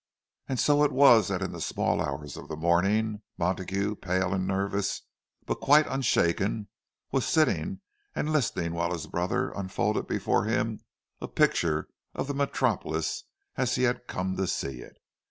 And so it was that in the small hours of the morning, Montague, pale and nervous, but quite unshaken, was sitting and listening while his brother unfolded before him a picture of the Metropolis as he had come to see it.